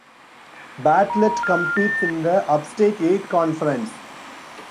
Bartlett competes in the Upstate Eight Conference.